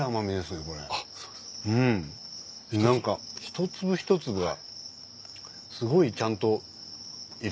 何か一粒一粒がすごいちゃんといる。